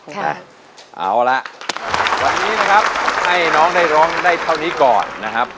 เอาละวันนี้นะครับให้น้องได้ร้องได้เท่านี้ก่อนนะครับ